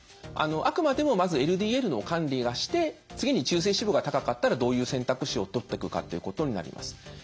あくまでもまずＬＤＬの管理をして次に中性脂肪が高かったらどういう選択肢をとってくかということになります。